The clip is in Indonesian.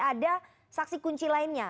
ada saksi kunci lainnya